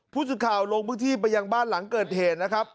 ผู้สื่อข่าวลงพื้นที่ไปยังบ้านหลังเกิดเหตุนะครับ